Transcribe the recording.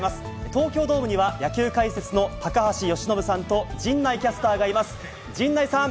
東京ドームには、野球解説の高橋由伸さんと陣内キャスターがいます。